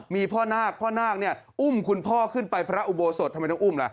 มีพ่อนาคพ่อนาคเนี่ยอุ้มคุณพ่อขึ้นไปพระอุโบสถทำไมต้องอุ้มล่ะ